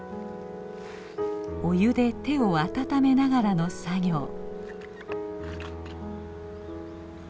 お湯で手を温めながらの作業。